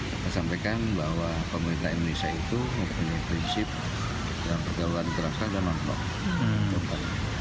saya sampaikan bahwa pemerintah indonesia itu mempunyai prinsip dalam pergaulan kerasa dan nonton